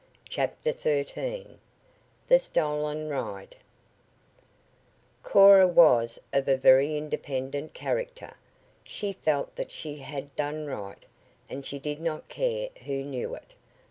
CHAPTER XIII THE STOLEN RIDE Cora was of a very independent character. She felt that she had done right, and she did not care who knew it.